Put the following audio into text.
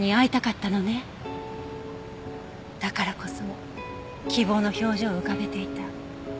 だからこそ希望の表情を浮かべていた。